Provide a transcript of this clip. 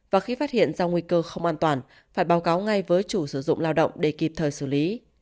và khi phát hiện ra nguy cơ không an toàn phải báo cáo ngay với chủ sử dụng lao động để kịp thời xử lý